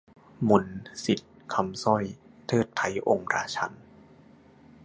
มนต์-สิทธิ์-คำสร้อย :'เทิดไท้องค์ราชันย์'